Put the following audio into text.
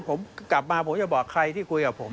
ผมกลับมาผมจะบอกใครที่คุยกับผม